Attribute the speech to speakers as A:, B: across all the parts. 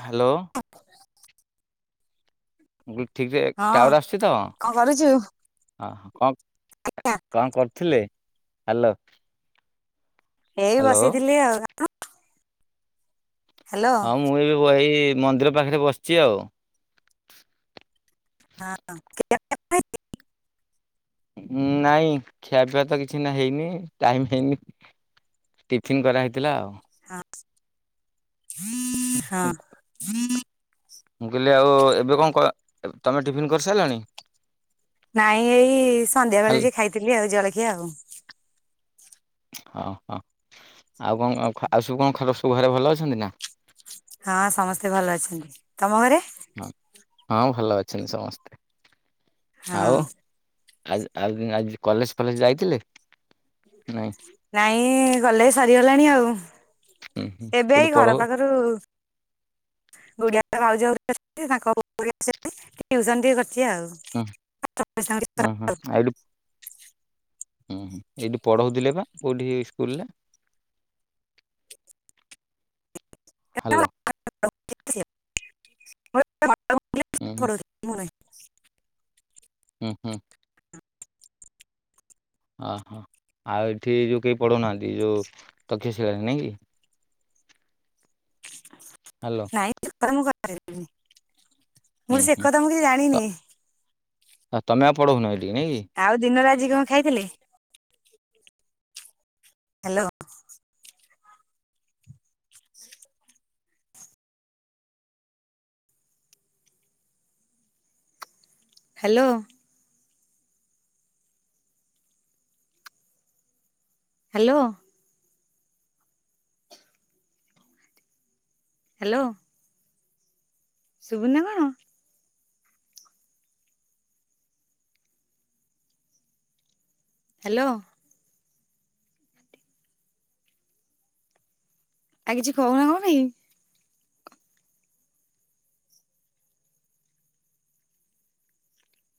A: Hello.
B: ଅ।
A: ଗୁ ଠିକ୍ ରେ ଟାୱାର ଆସଚି ତ।
B: କଣ କରୁଛୁ?
A: ଅ ହ କଣ କଣ କର୍ଥିଲେ ହ୍ୟାଲୋ।
B: ହେଇ
A: ହ୍ୟାଲୋ
B: ବସିଥିଲି ଆଉ। ହ୍ୟାଲୋ।
A: ହଁ ମୁଁ ଏବେ ବହି ମନ୍ଦିର ପାଖରେ ବସିଚି ଆଉ।
B: ହଁ ହଁ [unintelligible]
A: ନାଇଁ ଖିଆ ପିଆତ ତ କିଛି ନା ହେଇନି ଟାଇମ ହେଇନି। ଟିଫିନ୍ କରାହେଇଥିଲା ଆଉ।
B: ହଁ।
A: ମୁଁ କହିଲି ଆଉ ଏବେ କଣ କ ତମେ ଟିଫିନ୍ କରିସାରିଲଣି।
B: ନାଇଁ ଏଇ ସନ୍ଧ୍ୟା ବେଳେ
A: ହ୍ୟାଲୋ।
B: ଯେ ଖାଇଥିଲି ଆଉ ଜଳଖିଆ ଆଉ।
A: ହଁ ହଁ ଆଉ କଣ ଆଉ ସବୁ କଣ ଖର ସବୁ ଘରେ ଭଲ ଅଛନ୍ତି ନା।
B: ହଁ ସମସ୍ତେ ଭଲ ଅଛନ୍ତି ତମ ଘରେ।
A: ହଁ ହଁ ଭଲ ଅଛନ୍ତି ସମସ୍ତେ
B: ହଁ
A: ଆଉ। ଆ ଆଉ ଆଜି କଲେଜ ଫଲେଜ ଯାଇଥିଲେ ନା।
B: ନାଇଁ ଗଲେ ସରିଗଲାଣି ଆଉ
A: ହୁଁ ହୁଁ
B: ଏବେ
A: କୋଉଠି
B: ଏଇ
A: ପଢଉ
B: ଘର ପାଖରୁ
A: [unintelligible]
B: ବୁଢିଆ ଭାଉଜ [unintelligible] ତାଙ୍କ [unintelligible] ଟିଉସନ ଟିକେ କରିଚି ଆଉ।
A: ହଁ ହଁ ହଁ ଆଇଲୁ। ହୁଁ ଏଇଠି ପଢଉଥିଲେ ବା କୋଉଠି ସ୍କୁ ସ୍କୁଲରେ। ହ୍ୟାଲୋ ହୁଁ ହୁଁ
B: [unintelligible]
A: ଉଁ ହୁଁ। ଅ ହଁ ଆଉ ଏଠି ଯୋଉ କେହି ପଢ଼ଉନାହାଁନ୍ତି ଯୋଉ ତଥ୍ୟ ସେଗୀ ନାଇଁ କି ହ୍ୟାଲୋ
B: ନାଇଁ [unintelligible]
A: ହୁଁ ହୁଁ
B: ସେକଥା ମୁଁ କିଛି ଜାଣିନି।
A: ତମେ ଆଉ ପଢଉନ ଏଠି ନାଇଁ କି
B: ଆଉ ଦିନରେ ଆଜି କଣ ଖାଇଥିଲେ? ହ୍ୟାଲୋ ହ୍ୟାଲୋ ହ୍ୟାଲୋ ହ୍ୟାଲୋ ସୁଭୁନି ନା କଣ? ହ୍ୟାଲୋ ଆ କିଛି କହୁନ କଣ ପାଇଁ?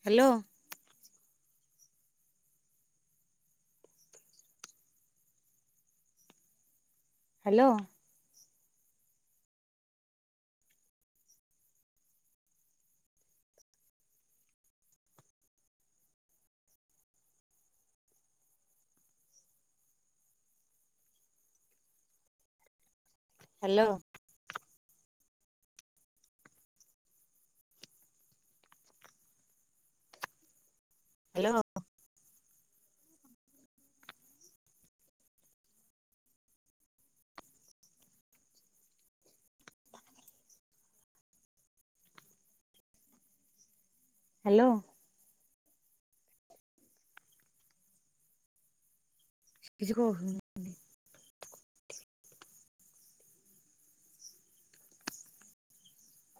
B: Hello hello hello hello hello କିଛି କହୁନି